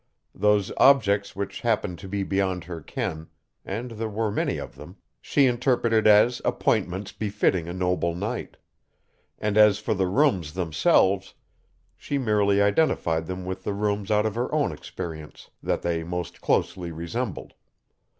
Those objects which happened to be beyond her ken and there were many of them she interpreted as "appointments befitting a noble knight," and as for the rooms themselves, she merely identified them with the rooms out of her own experience that they most closely resembled.